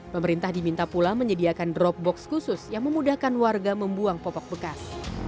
pemerintah diminta pula menyediakan drop box khusus yang memudahkan warga membuang popok bekas